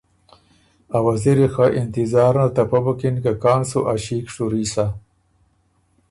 ا وزیری خه انتظار نر ته پۀ بُکِن که کان سُو ا ݭیک شُوري سَۀ